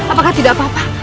apakah tidak apa apa